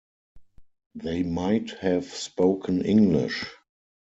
They might have spoken English.